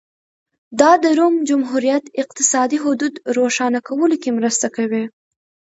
دا د روم جمهوریت اقتصادي حدود روښانه کولو کې مرسته کوي